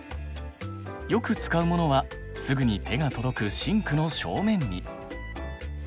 よく使うものはすぐに手が届くシンクの正面に。